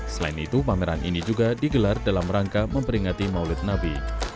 selain itu pameran ini juga digelar dalam rangka memperingati maulid nabi